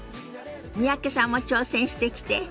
三宅さんも挑戦してきて。